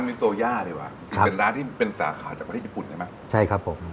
มีโซย่าดีกว่าเป็นร้านที่เป็นสาขาจากประเทศญี่ปุ่นใช่ไหมใช่ครับผม